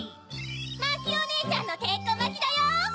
マキおねえちゃんのてっかまきだよ！